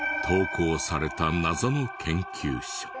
投稿された謎の研究所。